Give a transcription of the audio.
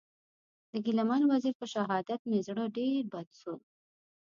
د ګیله من وزېر په شهادت مې زړه ډېر بد سو.